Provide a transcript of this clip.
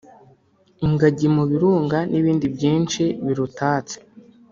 ingagi mu Birunga n’ibindi byinshi birutatse